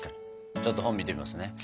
ちょっと本見てみますね。